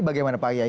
bagaimana pak yai